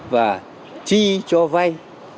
và chi cho vay